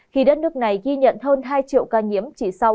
khi đất nước này ghi nhận hơn hai triệu ca nhiễm